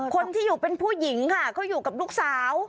คนที่อยู่เป็นผู้หญิงค่ะเขาอยู่กับลูกสาว